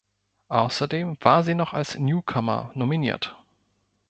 Außerdem war sie noch als Newcomer nominiert.